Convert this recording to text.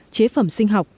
chế phẩm sinh học